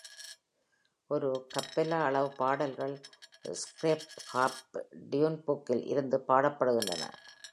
ஒரு cappella அளவு பாடல்கள் Sacred Harp டியூன்புக்கில் இருந்து பாடப்படுகின்றன.